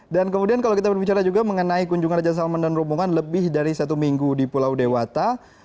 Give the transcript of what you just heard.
dan kemudian kalau kita berbicara juga mengenai kunjungan raja salman dan rombongan lebih dari satu minggu di pulau dewata